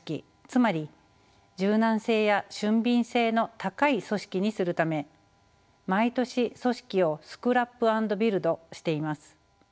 つまり柔軟性や俊敏性の高い組織にするため毎年組織をスクラップ＆ビルドしています。